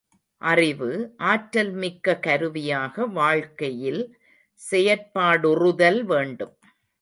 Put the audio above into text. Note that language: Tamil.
அறிவு, ஆற்றல் மிக்க கருவியாக வாழ்க்கையில் செயற்பாடுறுதல் வேண்டும்.